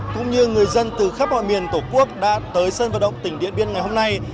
cũng như người dân từ khắp mọi miền tổ quốc đã tới sân vận động tỉnh điện biên ngày hôm nay